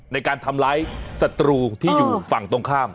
ในการทำร้ายศัตรูที่อยู่ฝั่งตรงข้าม